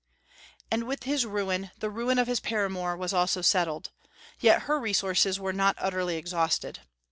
And with his ruin the ruin of his paramour was also settled; yet her resources were not utterly exhausted.